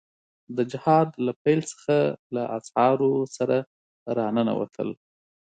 د جهاد له پيل څخه له اسعارو سره را ننوتل.